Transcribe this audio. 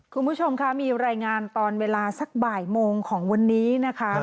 คุณผู้ชมค่ะมีรายงานตอนเวลาสักบ่ายโมงของวันนี้นะคะ